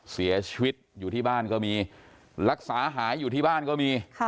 เสียชีวิตอยู่ที่บ้านก็มีรักษาหายอยู่ที่บ้านก็มี